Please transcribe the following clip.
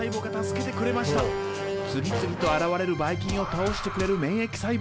次々と現れるバイ菌を倒してくれる免疫細胞。